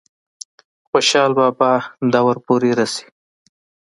خوشحال بابا دور پورې رسي ۔